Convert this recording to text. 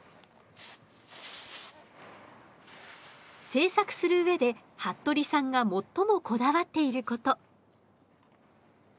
制作する上で服部さんが最もこだわっていること。